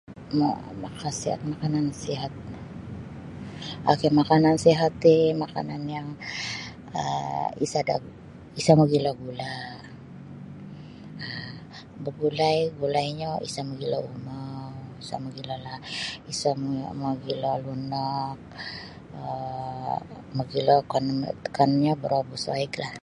Mo makasiat makanan sihat ok makanan sihat ti makanan yang um isada isa magilo gula um bagulai gulainyo isa magilo umou isa magilo elala isa magilo lunok um magilo kan akanunyo barabus waig lah.